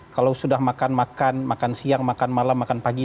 kalau sudah makan makan makan siang makan malam makan pagi